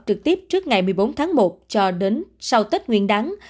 trực tiếp trước ngày một mươi bốn tháng một cho đến sau tết nguyên đắng